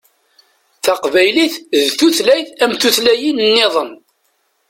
Taqbaylit d tutlayt am tutlayin-nniḍen.